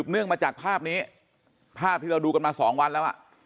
เนื่องมาจากภาพนี้ภาพที่เราดูกันมา๒วันแล้ว